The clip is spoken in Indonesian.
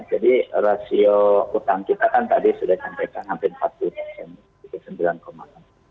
jadi rasio utang kita kan tadi sudah sampai ke hampir empat juta